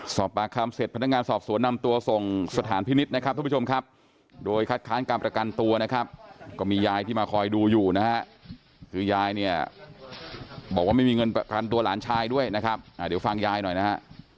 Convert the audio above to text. สอบปากคำเสร็จพนักงานสอบสวนนำตัวส่งสถานพินิษฐ์นะครับทุกผู้ชมครับโดยคัดค้านการประกันตัวนะครับก็มียายที่มาคอยดูอยู่นะฮะคือยายเนี่ยบอกว่าไม่มีเงินประกันตัวหลานชายด้วยนะครับเดี๋ยวฟังยายหน่อยนะฮะ